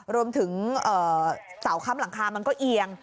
รวมถึงเสาค้ำหลังคามันก็เอียง